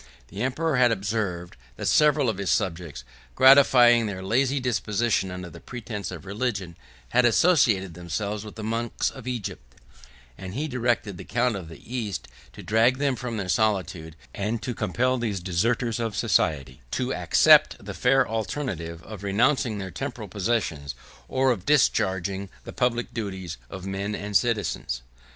The emperor had observed, that several of his subjects, gratifying their lazy disposition under the pretence of religion, had associated themselves with the monks of Egypt; and he directed the count of the East to drag them from their solitude; and to compel these deserters of society to accept the fair alternative of renouncing their temporal possessions, or of discharging the public duties of men and citizens.